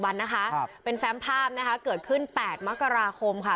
วันนะคะครับเป็นแฟมภาพนะคะเกิดขึ้น๘มกราคมค่ะ